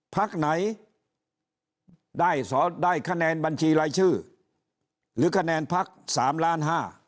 พักไหนได้คะแนนบัญชีรายชื่อหรือคะแนนพัก๓ล้าน๕